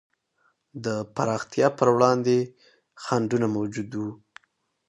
د پراختیا پر وړاندې خنډونه موجود وو.